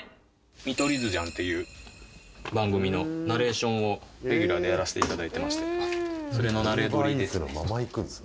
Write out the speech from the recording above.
『見取り図じゃん』っていう番組のナレーションをレギュラーでやらせていただいてましてそれのナレ録りですね。